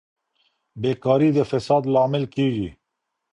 بېکاري د فساد لامل کیږي.